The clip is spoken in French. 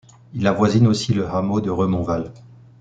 Il avoisine aussi le hameau de Remonval.